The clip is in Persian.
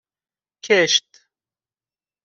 کشت